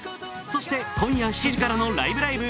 そして、今夜７時からの「ライブ！ライブ！」